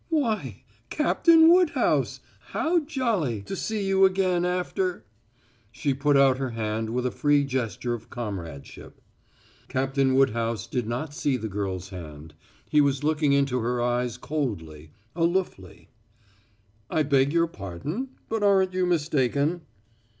"Why, Captain Woodhouse how jolly! To see you again after " She put out her hand with a free gesture of comradeship. Captain Woodhouse did not see the girl's hand. He was looking into her eyes coldly, aloofly. "I beg your pardon, but aren't you mistaken?"